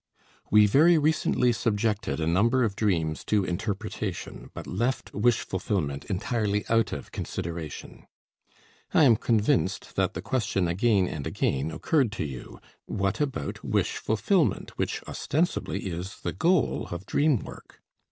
We very recently subjected a number of dreams to interpretation, but left wish fulfillment entirely out of consideration. I am convinced that the question again and again occurred to you: "What about wish fulfillment, which ostensibly is the goal of dream work?"